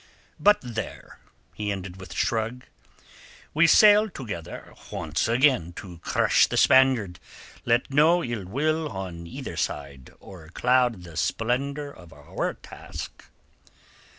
But there!" he ended with a shrug. "We sail together once again to crush the Spaniard. Let no ill will on either side o'er cloud the splendour of our task."